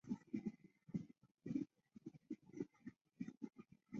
伊萨科夫也参与了诸如苏联大百科全书一类着作的编辑工作。